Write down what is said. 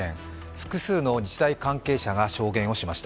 複数の日大関係者が証言しました。